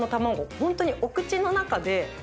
ホントにお口の中で。